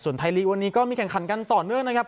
ส่วนไทยลีกวันนี้ก็มีแข่งขันกันต่อเนื่องนะครับ